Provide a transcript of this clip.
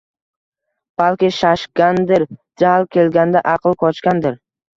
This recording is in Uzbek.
Balki, shashgandir, jahl kelganda aqli qochgandir